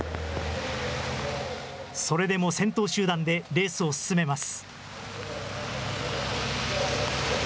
それでも先頭集団で、レースを進めます。